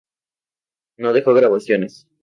No dejó grabaciones.